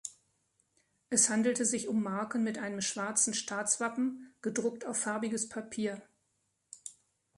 Es handelte sich um Marken mit einem schwarzen Staatswappen, gedruckt auf farbiges Papier.